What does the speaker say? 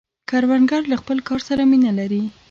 کروندګر له خپل کار سره مینه لري